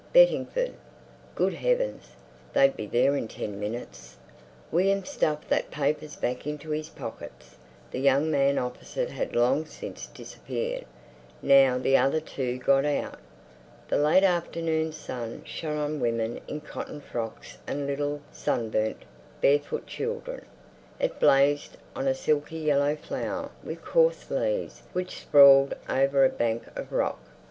Bettingford. Good heavens! They'd be there in ten minutes. William stuffed that papers back into his pockets; the young man opposite had long since disappeared. Now the other two got out. The late afternoon sun shone on women in cotton frocks and little sunburnt, barefoot children. It blazed on a silky yellow flower with coarse leaves which sprawled over a bank of rock.